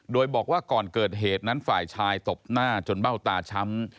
โดยบอกว่าก่อนเกิดเหตุนั้นฝ่ายชายตบหน้าจนเบ้าตาช้ำ